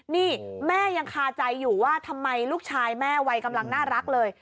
นี่แม่ยังคาใจอยู่ว่าทำไมลูกชายแม่วัยกำลังน่ารักเลย